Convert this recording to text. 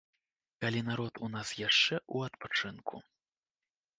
Калі народ у нас яшчэ ў адпачынку.